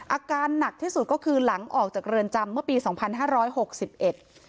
อาการหนักที่สุดก็คือหลังออกจากเรือนจำเมื่อปีสองพันห้าร้อยหกสิบเอ็ด